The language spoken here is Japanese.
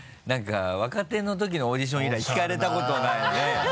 何か若手の時のオーディション以来聞かれたことないね。